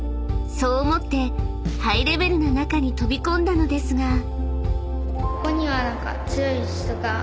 ［そう思ってハイレベルな中に飛び込んだのですが］